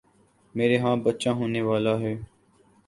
میرے ہاں بچہ ہونے والا ہے